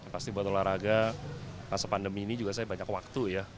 pasti buat olahraga masa pandemi ini juga saya banyak waktu ya